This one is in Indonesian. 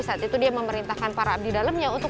saat itu dia memerintahkan para abdi dalamnya untuk